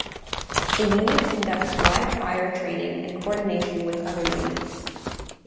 The unit conducts live-fire training and coordination with other units.